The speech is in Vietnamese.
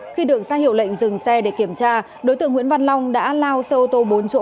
khi được ra hiệu lệnh dừng xe để kiểm tra đối tượng nguyễn văn long đã lao xe ô tô bốn chỗ